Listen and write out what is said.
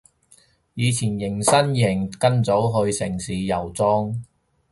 以前迎新營跟組去城市遊蹤